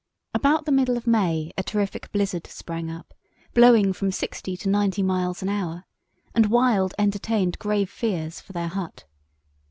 About the middle of May a terrific blizzard sprang up, blowing from sixty to ninety miles an hour, and Wild entertained grave fears for their hut.